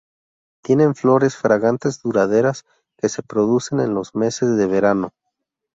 Tienen flores fragantes duraderas que se producen en los meses de verano.